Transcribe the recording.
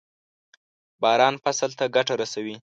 باران فصل ته ګټه رسوي.